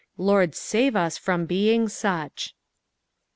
Lord, save as from being such.